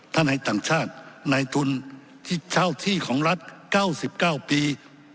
ให้ต่างชาติในทุนที่เช่าที่ของรัฐ๙๙ปี